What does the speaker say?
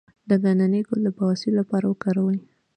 د ګندنه ګل د بواسیر لپاره وکاروئ